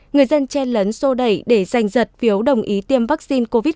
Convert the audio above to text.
người dân che lấn sô đẩy để giành giật phiếu đồng ý tiêm vaccine covid